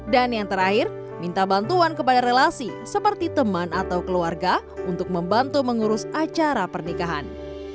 yang terakhir minta bantuan kepada relasi seperti teman atau keluarga untuk membantu mengurus acara pernikahan